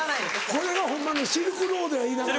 これがホンマのシルクロードや言いながら。